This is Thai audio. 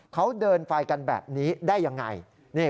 เขาเดินไฟกันแบบนี้ได้ยังไง